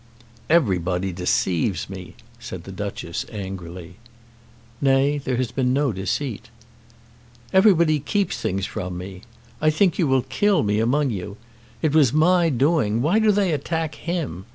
"Everybody deceives me," said the Duchess angrily. "Nay; there has been no deceit." "Everybody keeps things from me. I think you will kill me among you. It was my doing. Why do they attack him?